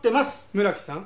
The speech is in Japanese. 村木さん。